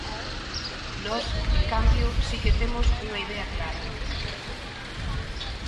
Nós, en cambio, si que temos unha idea clara.